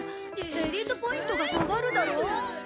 エリートポイントが下がるだろ。